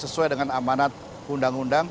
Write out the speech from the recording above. sesuai dengan amanat undang undang